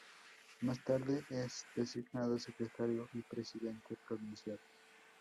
Más tarde, es designado Secretario y Presidente Provincial.